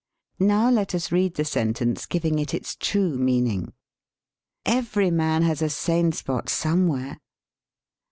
Now let us read the sentence, giving it its true mean ing. "Every man has a sane spot some where."